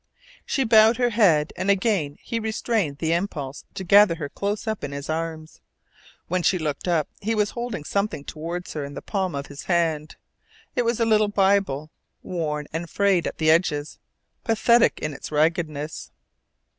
She bowed her head, and again he restrained the impulse to gather her close up in his arms. When she looked up he was holding something toward her in the palm of his hand. It was a little Bible, worn and frayed at the edges, pathetic in its raggedness.